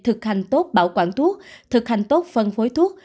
thực hành tốt bảo quản thuốc thực hành tốt phân phối thuốc